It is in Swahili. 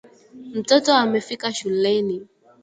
Mtoto amefika shuleni